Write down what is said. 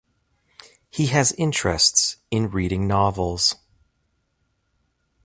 He has interests in reading novels.